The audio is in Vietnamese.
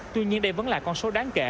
tuy nhiên đây vẫn là con số đáng kể